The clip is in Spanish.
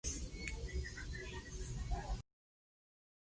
Existe una solución a este problema basada en el control distribuido.